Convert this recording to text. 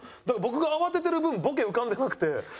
だから僕が慌ててる分ボケ浮かんでなくて。